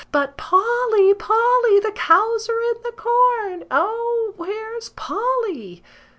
But Polly! Polly! The cows are in the corn! O, where's Polly?